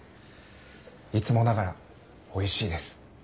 いつもながらおいしいです。